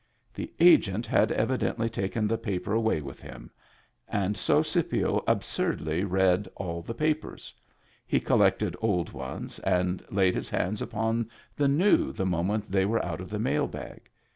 The Agent had evidently taken the paper away with him — and so Scipio absurdly read all the papers. He collected old ones, and laid his hands upon the new the moment they were out of the mail bag.